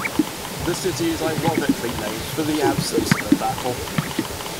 The city is ironically named for the absence of a battle.